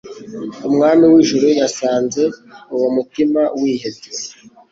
Umwami w'ijuru yasanze uwo mutima wihebye,